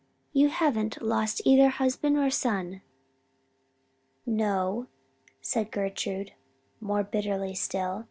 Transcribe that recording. You haven't lost either husband or son.' "'No,' said Gertrude, more bitterly still.